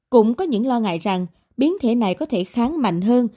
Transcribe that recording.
cũng có những lo ngại rằng biến thể này có thể kháng mạnh hơn